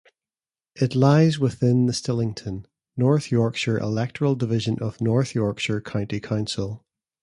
It lies within the Stillington, North Yorkshire electoral division of North Yorkshire County Council.